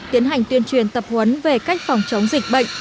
tiến hành tuyên truyền tập huấn về cách phòng chống dịch bệnh